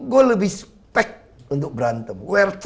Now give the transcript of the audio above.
gue lebih spect untuk berantem